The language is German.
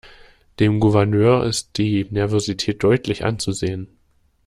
Dem Gouverneur ist die Nervosität deutlich anzusehen.